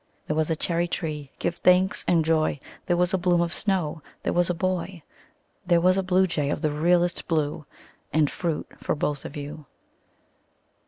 There was a cherry tree, give thanks and joy! There was a bloom of snow There was a boy There was a bluejay of the realest blue And fruit for both of you.